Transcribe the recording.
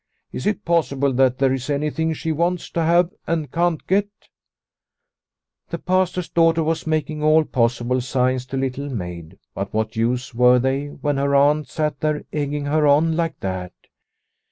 Is it possible that there is anything she wants to have and can't get ?" The Pastor's daughter was making all possible signs to Little Maid, but what use were they when her aunt sat there egging her on like that